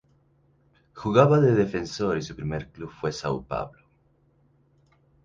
Jugaba de defensor y su primer club fue el São Paulo.